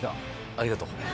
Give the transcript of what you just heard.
ありがとう。